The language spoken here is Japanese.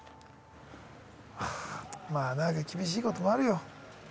はぁまあ厳しいこともあるよ